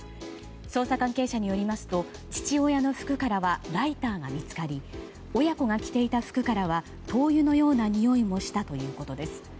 捜査関係者によりますと父親の服からはライターが見つかり親子が着ていた服からは灯油のようなにおいもしたということです。